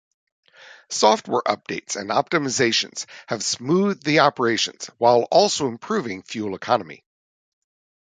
Software updates and optimisations have smoothed the operation while also improving fuel economy.